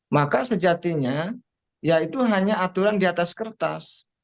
maka sejatinya ya itu hanya aturan di atas kertas